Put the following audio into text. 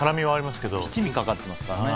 七味かかってますからね。